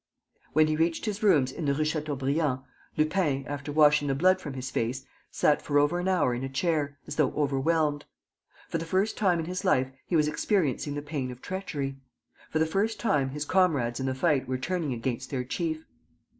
When he reached his rooms in the Rue Chateaubriand, Lupin, after washing the blood from his face, sat for over an hour in a chair, as though overwhelmed. For the first time in his life he was experiencing the pain of treachery. For the first time his comrades in the fight were turning against their chief.